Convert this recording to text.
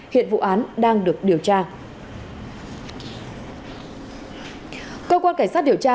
hiện vụ án đang được điều tra